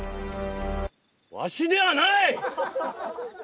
わしではない！